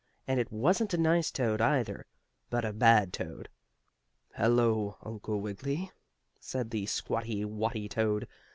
And it wasn't a nice toad, either, but a bad toad. "Hello, Uncle Wiggily," said the squatty watty toad.